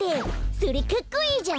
それかっこいいじゃん！